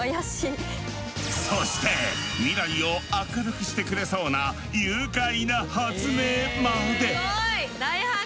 そして未来を明るくしてくれそうな愉快な発明まで。